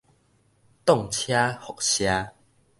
擋車輻射